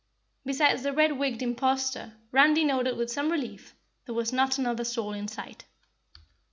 Besides the red wigged imposter Randy noted with some relief, there was not another soul in sight.